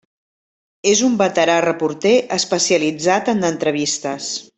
És un veterà reporter especialitzat en entrevistes.